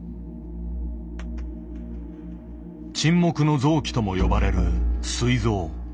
「沈黙の臓器」とも呼ばれるすい臓。